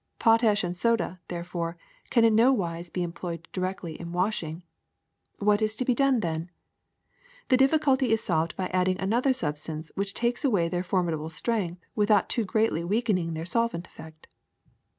Pot ash and soda, therefore, can in no wise be employed directly in washing. What is to be done then ? The difficulty is solved by adding another substance which takes away their formidable strength without too greatly weakening their solvent effect.